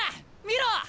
見ろ！